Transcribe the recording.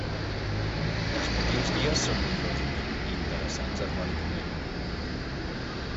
Els motius guies són nombrosos, i interessants harmònicament.